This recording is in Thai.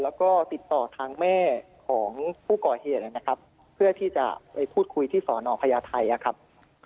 แล้วก็ติดต่อทางแม่ของผู้ก่อเหตุนะครับเพื่อที่จะไปพูดคุยที่สอนอพญาไทยนะครับ